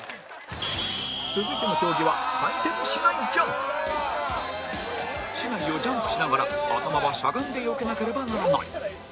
続いての競技は竹刀をジャンプしながら頭はしゃがんでよけなければならない